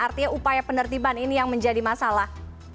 artinya upaya penertiban ini yang menjadi masalah